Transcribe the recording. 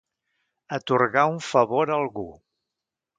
Atorgar un favor a algú.